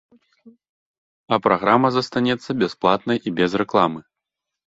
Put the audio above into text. А праграма застанецца бясплатнай і без рэкламы.